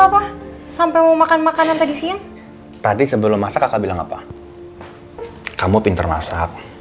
apa sampai mau makan makanan tadi siang tadi sebelum masak kakak bilang apa kamu pinter masak